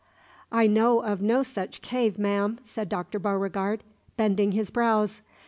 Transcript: "I know of no such cave, ma'am," said Dr. Beauregard, bending his brows.